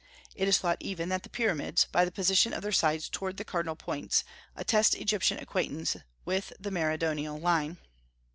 It is thought even that the Pyramids, by the position of their sides toward the cardinal points, attest Egyptian acquaintance with a meridional line.